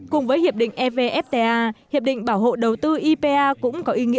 cùng với hiệp định evfta hiệp định bảo hộ đầu tư ipa cũng có ý nghĩa